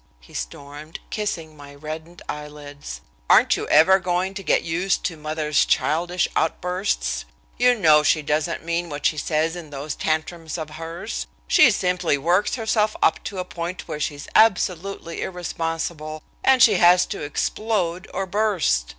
he stormed, kissing my reddened eyelids. "Aren't you ever going to get used to mother's childish outbursts? You know she doesn't mean what she says in those tantrums of hers. She simply works herself up to a point where she's absolutely irresponsible, and she has to explode or burst.